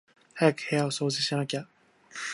早く部屋を掃除しなきゃ